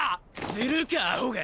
するかアホが！